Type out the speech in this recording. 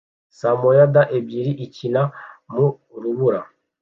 samoyad ebyiri ikina mu rubura